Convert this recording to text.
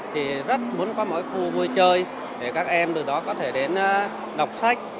thì rất muốn có mỗi khu vui chơi để các em từ đó có thể đến đọc sách